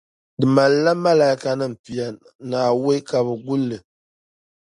Di malila Makaaikanim pia ni awei ka bɛ guli li